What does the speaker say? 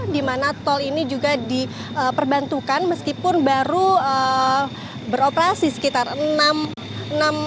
di mana tol ini juga diperbantukan meskipun baru beroperasi sekitar enam jam